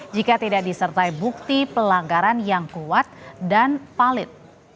jika tidak disertai bukti pelanggaran yang kuat dan valid